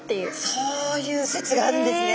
そういう説があるんですね。